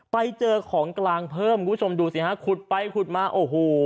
ไปเจอของกลางเพิ่มคุณผู้ชมดูสิฮะขุดไปขุดมาโอ้โห